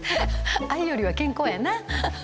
愛よりは健康やな。